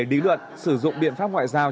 lý luận sử dụng biện pháp ngoại giao